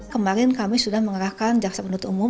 kemarin kami sudah mengerahkan jaksa penuntut umum